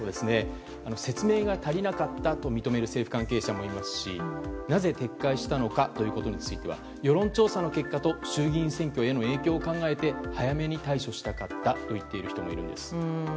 説明が足りなかったと認める政府関係者もいますしなぜ撤回したのかということについては世論調査の結果と衆議院選挙への影響を考えて早めに対処したかったと言っている人もいるんです。